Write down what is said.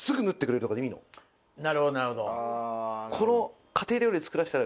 なるほどなるほど。